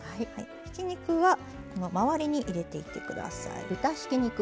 ひき肉はこの周りに入れていって下さい。